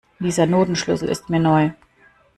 Dieser Notenschlüssel ist mir neu.